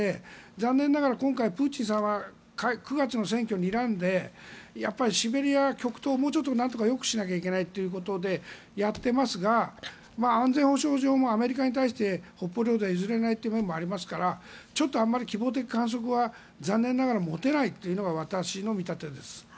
残念ながら今回プーチンさんは９月の選挙をにらんでシベリア、極東をもうちょっとなんとかよくしなきゃいけないということでやっていますが安全保障上アメリカに対して北方領土は譲れないという面もありますからちょっと希望的観測は残念ながら持てないというのが私の見立てです。